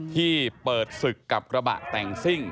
ที่เปิดศึกกับกระบะแต่งซิ่ง